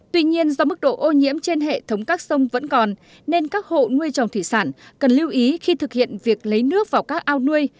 tuy nhiên do mức độ ô nhiễm trên hệ thống các sông vẫn còn nên các hộ nuôi trồng thủy sản cần lưu ý khi thực hiện việc lấy nước vào các ao nuôi